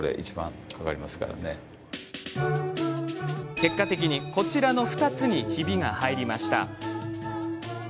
結果的に、こちらの２つにひびが入ってしまいました。